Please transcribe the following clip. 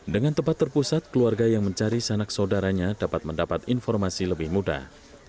dengan tempat terpusat keluarga yang mencari sanak saudaranya dapat mendapat informasi lebih mudah